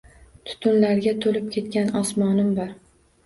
Tutunlarga to’lib ketgan osmonim bor.